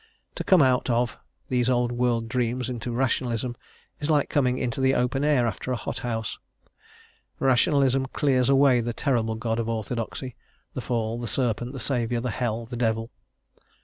To come out of, these old world dreams into Rationalism is like coming into the open air after a hothouse. Rationalism clears away the terrible God of orthodoxy, the fall, the serpent, the Saviour, the hell, the devil.